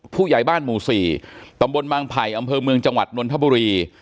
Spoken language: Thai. ผู้ใหญ่บ้านหมู่๔ตำบลบางไผ่อำเภอเมืองจังหวัดนนทบุรี